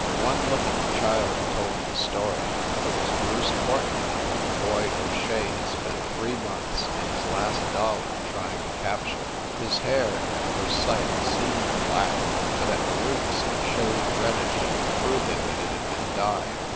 One look at the child told the story. It was Bruce Courtenay the boy O Shea had spent three months and his last dol lar trying to capture. His hair, at first sight, seemed black, but at the roots it showed reddish, proving that it had been dyed.